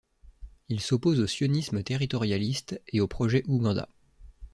Il s'oppose au Sionisme territorialiste et au projet Ouganda.